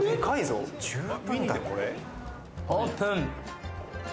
オープン。